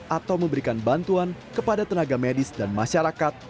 atau memberikan bantuan kepada tenaga medis dan masyarakat